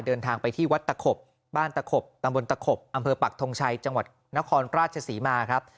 เดินทางไปที่วัดตะขบบ้านตะขบตำบลตะขบอำเภอปักทงชัยจังหวัดนครราชศรีมาครับ